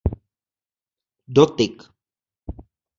Dotyk